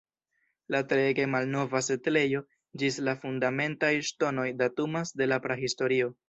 La treege malnova setlejo ĝis la fundamentaj ŝtonoj datumas de la prahistorio.